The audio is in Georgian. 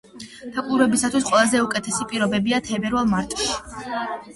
დაკვირვებისათვის ყველაზე უკეთესი პირობებია თებერვალ-მარტში.